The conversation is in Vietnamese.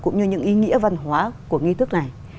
cũng như những ý nghĩa văn hóa của nghi thức này